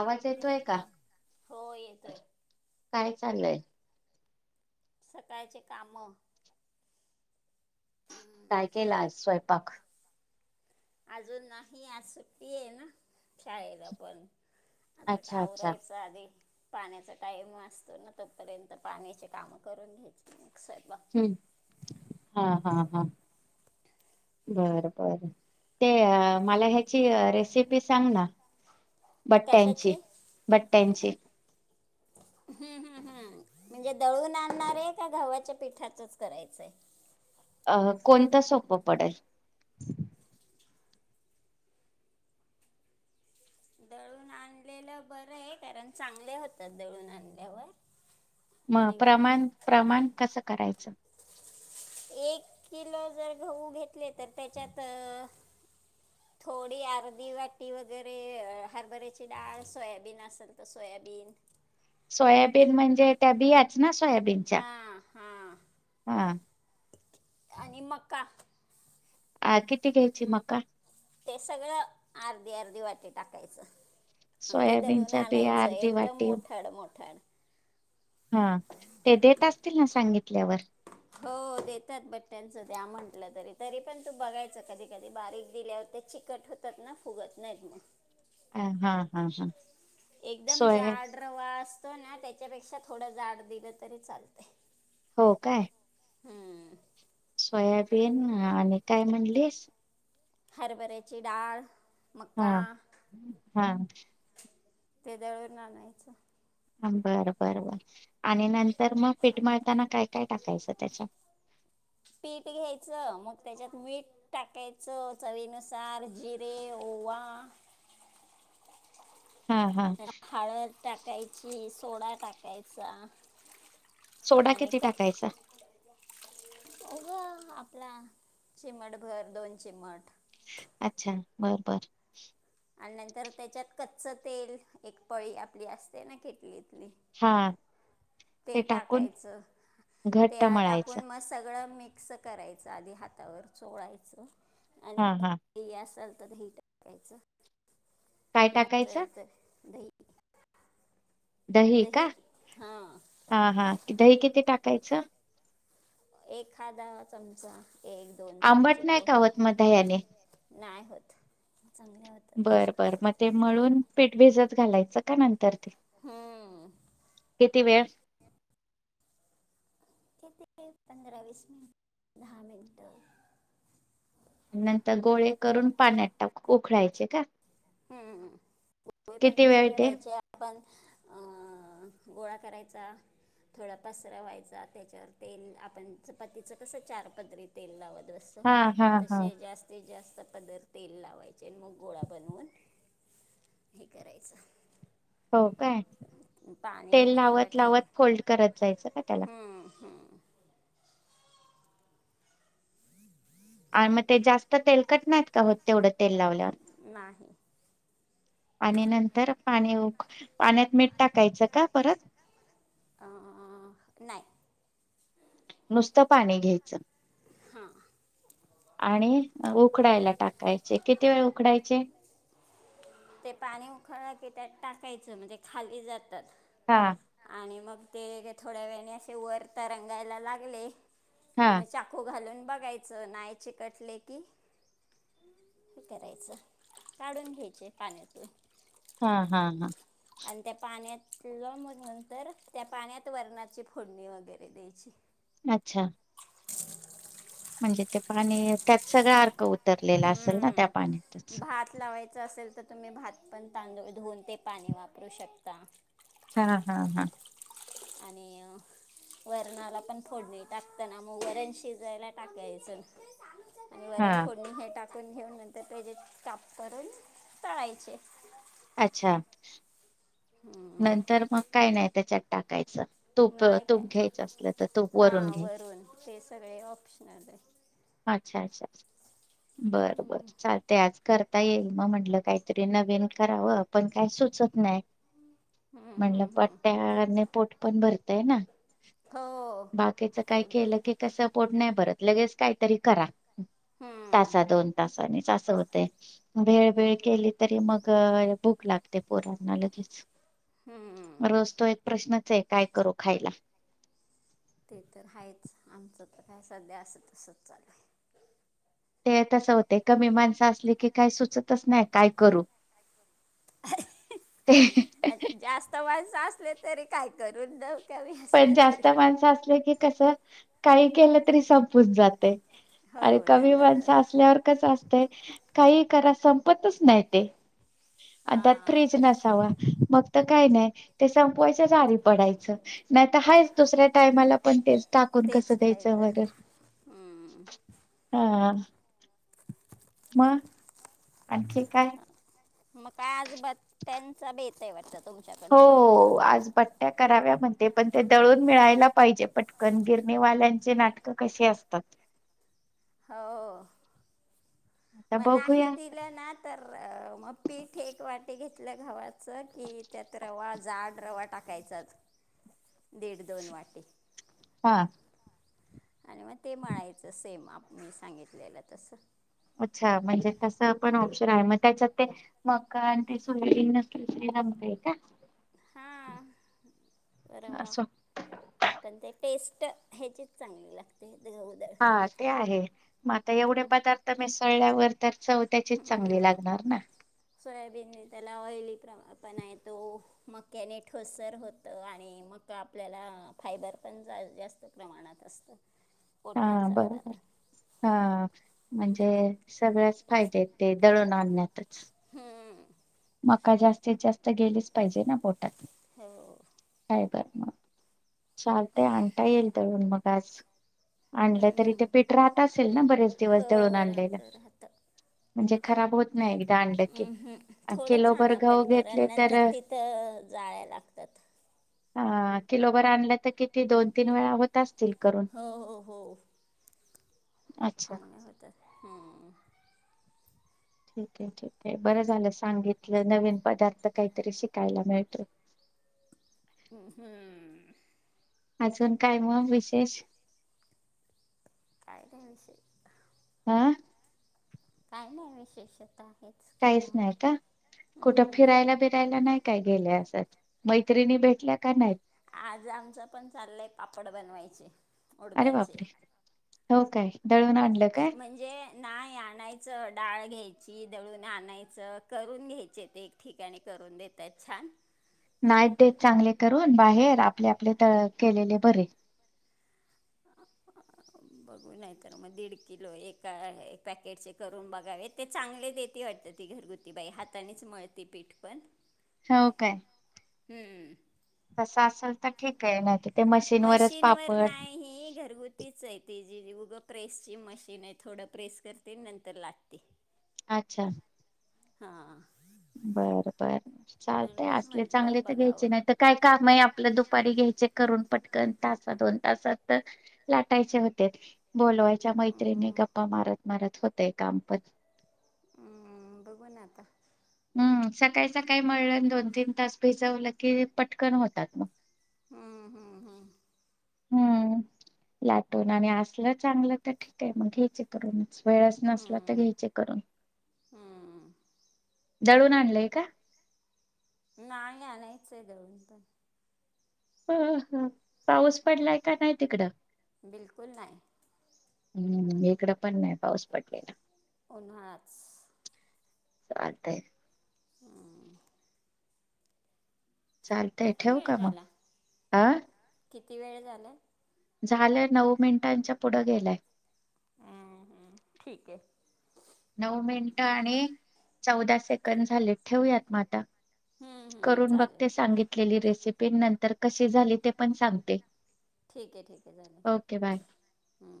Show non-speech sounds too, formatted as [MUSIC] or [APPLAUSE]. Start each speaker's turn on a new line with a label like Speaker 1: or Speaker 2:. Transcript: Speaker 1: आवाज येतोय का
Speaker 2: हो येतोय
Speaker 1: [INAUDIBLE] काय चाललंय.
Speaker 2: सकाळचे काम. हम्म.
Speaker 1: काय केला स्वयंपाक.
Speaker 2: अजून नाही आज सुट्टी आहे ना शाळेला पण.
Speaker 1: अच्छा अच्छा
Speaker 2: आवरायच आधी. पाण्याचा टाइम वा असतो ना तोपर्यंत पाण्याची कामं करून घ्यायची मस बघ.
Speaker 1: हम् हा हा हा. बरं बर ते मला ह्याची रेसिपी सांग ना.
Speaker 2: कशाची
Speaker 1: भट्ट्यांची भट्ट्यांची.
Speaker 2: हम्म हम्म हम्म म्हणजे दळून आणणार आहे का घवच्या पिठाचच करायचंय.
Speaker 1: अ कोणतं सोपं पडेल.
Speaker 2: दळून आणलेलं बरं आहे कारण चांगले होतात दळून आणल्यावर.
Speaker 1: मग
Speaker 2: आणि ग-
Speaker 1: प्रमाण प्रमाण कसं करायचं.
Speaker 2: एक किलो जर गहू घेतले तर त्याच्यात.
Speaker 1: [INAUDIBLE]
Speaker 2: थोडी अर्दी वाटी वगैरे हरभऱ्याची डाळ सोयाबीन असेल तर सोयाबीन.
Speaker 1: सोयाबीन म्हणजे त्या बियाच ना सोयाबीन.
Speaker 2: हा हा आणि मका.
Speaker 1: अ किती घ्यायची मका.
Speaker 2: ते सगळं अर्धी अर्धी वाटी टाकायचं. आणि ते दळून
Speaker 1: सोयाबीनच्या बिया
Speaker 2: आणायचं
Speaker 1: अर्धी
Speaker 2: एकदम
Speaker 1: वाटी
Speaker 2: मोठाड मोठाड.
Speaker 1: हा ते देत असतील ना सांगितल्यावर.
Speaker 2: हो देतात बट्ट्यांचं द्या म्हटलं तरी तरी पण तू बघायच कधी कधी बारीक दिल्या होते चिकट होत. त्यांना फुगत नाहीत म्हग.
Speaker 1: ह.
Speaker 2: [INAUDIBLE] एकदम
Speaker 1: सोया
Speaker 2: जाड. रवा असतो ना त्याच्यापेक्षा थोडं जाड दिलं तरी चालतं.
Speaker 1: हो काय.
Speaker 2: हम्.
Speaker 1: सोयाबीन आणि काय म्हणलीस.
Speaker 2: हरभऱेची डाळ मका.
Speaker 1: हा हा
Speaker 2: [INAUDIBLE] ते दळवर आणायचं.
Speaker 1: बरं बर बर आणि नंतर मग पीठ मळताना काय काय टाकायचं त्याच्या.
Speaker 2: पीठ घ्यायचं मग त्याच्यात मीठ. टाकायचं चवीनुसार जिरे ओवा.
Speaker 1: हा हा.
Speaker 2: हळद टाकायची सोडा टाकायचा.
Speaker 1: सोडा
Speaker 2: आणि
Speaker 1: किती
Speaker 2: क
Speaker 1: टाकायचा
Speaker 2: अगं आपला चिमट भर दोन चिमट.
Speaker 1: अच्छा बरबर.
Speaker 2: आणि नंतर त्याच्यात कच्च तेल एक पळी आपली असते ना किटलीतली
Speaker 1: हा
Speaker 2: ते टाकायचं ते
Speaker 1: घट्ट मळायचं
Speaker 2: टाकून मस्त सगळं मिक्स करायचं आधी हातावर चोळायचं
Speaker 1: हा हा
Speaker 2: हे असल तर हिट करायचं
Speaker 1: काय टाकायचं
Speaker 2: नसलत द
Speaker 1: दही का हा हा क दही किती टाकायचं
Speaker 2: एखाद्या चमचा एक दोन
Speaker 1: आंबट
Speaker 2: चमचे
Speaker 1: नाय
Speaker 2: पोहे
Speaker 1: कावत मध याने
Speaker 2: नाही होत चांगल्या होत्या
Speaker 1: बरं बर मग ते मळून पीठ भेजत घालायचं का नंतर ते
Speaker 2: हम्म
Speaker 1: किती वेळ
Speaker 2: ते पंधरा वीस मिनट दहा मिनट
Speaker 1: नंतर गोळे करून पाण्यात टाक उखळायचे का
Speaker 2: हम्म पुे पण
Speaker 1: किती
Speaker 2: कश
Speaker 1: वेळ ते
Speaker 2: करायचे आपण गोळा करायचा थोडा पसरा व्हायचा त्याच्यावर तेल आपण चपातीचं कसं चार पदरी तेल लावत बसतो
Speaker 1: हा हा हा
Speaker 2: तसे जास्तीत जास्त पदर तेल लावायचे मग गोळा बनवून हे करायचं
Speaker 1: हो काय
Speaker 2: पाणी
Speaker 1: तेल
Speaker 2: उखायला
Speaker 1: लावत लावत फोल्ड करत जायचं का त्याला
Speaker 2: ठेवाय
Speaker 1: आणि मग ते जास्त तेल कट नाहीत का हो तेवढं तेल लावल्यावर
Speaker 2: नाही
Speaker 1: आणि नंतर पाणी पाण्यात मीठ टाकायचं का परत
Speaker 2: अ नाही
Speaker 1: नुसतं पाणी घ्यायचं
Speaker 2: हां
Speaker 1: आणि उकडायला टाकायचे किती वेळ उकडायचे
Speaker 2: ते पाणी उखळलं की त्यात टाकायचं म्हणजे खाली जातात
Speaker 1: हा
Speaker 2: आणि मग ते थोड्या वेने असे वर तर रंगायला लागले
Speaker 1: हा
Speaker 2: कि मग खू घालून बघायचं नाय चिकटले की हे करायचं काढून घ्यायचे पाण्यातून
Speaker 1: हा हा हा
Speaker 2: आणि त्या पाण्यातलं म नंतर त्या पाण्यात वरणाची फोडणी वगैरे द्यायची
Speaker 1: अच्छा
Speaker 2: [INAUDIBLE]
Speaker 1: म्हणजे ते पाणी त्यात सगळा अर्क उतरलेला असेल ना त्या पाण्यातच
Speaker 2: हात लावाय असेल तर तुम्ही भात पण तांदळ धुवन ते पाणी वापरू शकता
Speaker 1: हा हा हा
Speaker 2: आणि वरणाला पण फोडणी टाकताना मग वरण शिजायला टाकायचं आणि वरण
Speaker 1: हा
Speaker 2: थोडणी हे टाकून घेऊन नंतर त्याचेे काप करून तळायचे
Speaker 1: अच्छा
Speaker 2: हम्म.
Speaker 1: नंतर मग काय नाही त्याच्यात टाकायचं तूप
Speaker 2: नाही काय
Speaker 1: तूप घ्यायचं असलं तर तूप वरून
Speaker 2: हां
Speaker 1: घ्यायच
Speaker 2: वरून ते सगळे ऑप्शनल आहे
Speaker 1: अच्छा अच्छा बर बर चाल ते आज करता येईल मग म्हंटलं काहीतरी नवीन करावं पण काय सुचत नाही.
Speaker 2: हम्म,
Speaker 1: म्हणलं
Speaker 2: हम्म, हम्म.
Speaker 1: पट्ट्याने पोट पण भरतय ना
Speaker 2: हो.
Speaker 1: बाकीच काही
Speaker 2: पोटभर
Speaker 1: केलं की का सपोर्ट नाही भरत लगेच काहीतरी करा.
Speaker 2: हम्म,
Speaker 1: तासा दोन तासानीच असं होते भेळ भेळ केली तरी मग भूक लागते पोरांना लगेच
Speaker 2: हम्म.
Speaker 1: रोज तो प्रश्नच आहे काय करू खायला.
Speaker 2: ते तर आहेच आमचं तर काय सध्या असं तसं चाल आहे.
Speaker 1: ते तस होते कमी माणसं असली की काही सुचतच नाही काय करू ते.
Speaker 2: आणि जास्त माणसं असले तरी काय करून जाऊ
Speaker 1: पण जास्त माणसं असलं की कस काही केलं तरी स जाते
Speaker 2: हो
Speaker 1: आणि कमी
Speaker 2: दन दन
Speaker 1: माणस
Speaker 2: दन
Speaker 1: असल्यावर असत काही करा संपतच नाही ते. अ त्यात
Speaker 2: हां
Speaker 1: फ्र्रीज नसावा मग तर काय नाही ते संपवायच झाली पडायचं. नाही तर हाच दुसऱ्या टायमाला पण तेच टाकून कसं
Speaker 2: तेच
Speaker 1: द्यायचं
Speaker 2: खायचं
Speaker 1: बॉर्डर
Speaker 2: हम्म.
Speaker 1: हा. म. आणखी काय?
Speaker 2: म का आज बट्ट्यांचा बेत आहे वाटत तुम
Speaker 1: हो आज बट त्या कराव्या म्हणते पण ते दळून मिळायला पाहिजे पटकन गिरणीवाल्यांचे नाटकं कशे असतात.
Speaker 2: हो
Speaker 1: आता
Speaker 2: मग नाही
Speaker 1: बघूया
Speaker 2: दिलं ना तर मग पीठे एक वाटी घेत ल घावाचं कि त्यात रवा जाड रवा टाकायचाच. दीड दोन वाटी
Speaker 1: हा.
Speaker 2: आणि मग ते म्हणायचं सेम आपी सांगितलेलं तस.
Speaker 1: अच्छा म्हणजे तसं पण ऑप्शन आहे मग त्याच्यात ते मका आणि ते सोयरी नसतील त लमकय का
Speaker 2: हा बर म.
Speaker 1: असं
Speaker 2: पण ते टेस्ट ह्याचीच चांगली लागते ग
Speaker 1: हा ते आहे मग आता एवढे पदार्थ मिसळल्यावर तर चव त्याचीच चांगली
Speaker 2: हम्म.
Speaker 1: लागणार ना.
Speaker 2: सोयाबीनने त्याला ऑइली प्र पणा येतो मक्याने ठोसर होतं आणि मक आपल्याला फायबर पण जा जास्त प्रमाणात असतं. पोट पण
Speaker 1: हा बरोबर.
Speaker 2: सापडतं
Speaker 1: हा म्हणजे सगळ्याच फायदे ते दळून आणण्यातच
Speaker 2: हम्म.
Speaker 1: मका जास्तीत जास्त गेलीच पाहिजे ना पोटात.
Speaker 2: हो.
Speaker 1: काय बर मग चालतय आणता येईल तरण मग आज आणलं तरी ते
Speaker 2: हम्म.
Speaker 1: पेठ राहत असेल ना बरेच दिवस जळून
Speaker 2: हो
Speaker 1: आणलेलं
Speaker 2: राहतं राहतं
Speaker 1: म्हणजे खराब होत नाही एकदा आणलं की.
Speaker 2: थोडं
Speaker 1: किलोभर
Speaker 2: चण
Speaker 1: गहू
Speaker 2: पण कारण
Speaker 1: घेतले
Speaker 2: नंतर
Speaker 1: तर
Speaker 2: तिथं जाळ्या लागतात.
Speaker 1: ह किलोबर आणला तर किती दोन तीन वेळा होत अस
Speaker 2: हो हो हो
Speaker 1: अच्छा
Speaker 2: चांगले होत हम्म.
Speaker 1: ठीक आहे ठीक आहे बरं झालं सांगितलं नवीन पदार्थ काहीतरी शिकायला मिळतो.
Speaker 2: हम्म.
Speaker 1: अजून काय मग विशेष
Speaker 2: काय नाय विषय
Speaker 1: हा
Speaker 2: काय नाय विशेष आता आहे.
Speaker 1: काहीच नाही का? कुठं फिरायला बिरायला नाय काय गेल्या असचं मैत्रिणी भेटल्या का नायत?
Speaker 2: आज आमचं पण चाललंय पापड बनवायचे.
Speaker 1: अरे
Speaker 2: उडदाचे
Speaker 1: बापरे! हो काय दळून आणलं काय?
Speaker 2: जे नाय आणायचं डाळ घ्यायची दळून आणायचं करून घ्यायचे ते ठिकाणी करून देतायेत छान
Speaker 1: नाईत देत चांगले करून बाहेर आपले आपले त केलेले बरे. [INAUDIBLE]
Speaker 2: बघू नाय तर म दीड किलो एका पॅकेटचे करून बघावेत. ते चांगले देते वाटत ती घरगुती बाई हातानेच मळते पीठ पण
Speaker 1: हो काय?
Speaker 2: हूं
Speaker 1: तसं असेल तर ठीकय नायत
Speaker 2: मशीन वर नाही घरगु तीचय ती जी उगं प्रेस ची मशीन आहे थोडं प्रेस करते नंतर लाटते.
Speaker 1: अच्छा
Speaker 2: हा
Speaker 1: बर बर चालतय असले चांगले
Speaker 2: म्हटलं
Speaker 1: तर
Speaker 2: बघावं
Speaker 1: घ्यायचे नाय त काय काम आहे आपलं दुपारी घ्यायचे करून पटकन तासात दोन तासात त लाटायचे होते बोलवायच्या मैत्रिणी
Speaker 2: हम्म,
Speaker 1: गप्पा मारत मारत होतय कामपण
Speaker 2: अं बघू ना आता
Speaker 1: हम्म सकाळी सकाळी मळलं दोन तीन तास भिजवलं की पटकन होतात मग.
Speaker 2: हम्म हम्म हम्म
Speaker 1: हम्म लाटून आणि असलं चांगलं तर ठीकय मग घ्यायचे करून वेळच नसला तर
Speaker 2: हम्म,
Speaker 1: घ्यायचे करून.
Speaker 2: हम्म
Speaker 1: दळून आणलंय का?
Speaker 2: नाही आणायचय दळून पण
Speaker 1: अ हं पाऊस पडलाय
Speaker 2: हम्म,
Speaker 1: काय नाय तिकडं
Speaker 2: बिलकुल नाही
Speaker 1: हम्म इकड पण नाय पाऊस पडलेला.
Speaker 2: उन्हाळाच
Speaker 1: चालतंय.
Speaker 2: हं
Speaker 1: चालतय
Speaker 2: किती
Speaker 1: ठेवू
Speaker 2: वेळ
Speaker 1: का मग
Speaker 2: झाला?
Speaker 1: अ
Speaker 2: किती वेळ झालाय?
Speaker 1: झालंय नऊ मिनिटांच्या पुढ गेलाय.
Speaker 2: हं हम्म ठीकये.
Speaker 1: नऊ मिनटं आणि चौदा सेकंड झाले ठेवयात म आता
Speaker 2: हम्म, हम्म,
Speaker 1: करून
Speaker 2: चालेल
Speaker 1: बघते सांगितलेली रेसिपी नंतर कशी झाली ते पण सांगते.
Speaker 2: ठीकये ठीकये झाले
Speaker 1: ओके बाय
Speaker 2: हूं